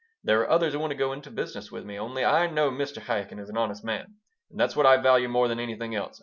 There are others who want to go into business with me. Only I know Mr. Chaikin is an honest man, and that's what I value more than anything else.